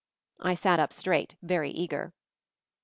I sat up straight, very eager.